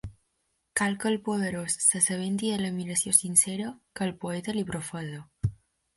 Cal que el poderós s'assabenti de l'admiració sincera que el poeta li professa.